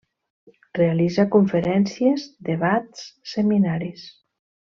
Realitza conferències, debats, seminaris.